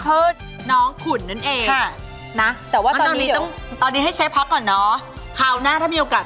เออต้องมารู้จักเขามากขึ้น